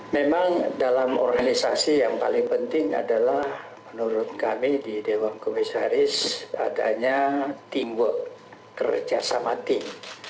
memang dalam organisasi yang paling penting adalah menurut kami di dewan komisaris adanya teamwork kerjasama tim